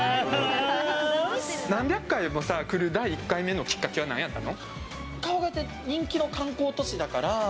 何百回も来る第１回目のきっかけはなんやったの？